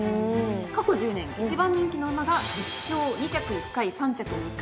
過去１０年１番人気の馬が１勝２着１回３着２回。